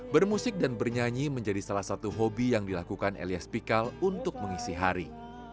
bermusik dan bernyanyi menjadi salah satu hobi yang dilakukan elias pikal untuk mengisi hari